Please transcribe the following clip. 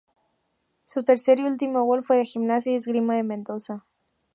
Su tercer y último gol fue a Gimnasia y Esgrima de Mendoza.